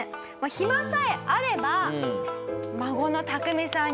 暇さえあれば。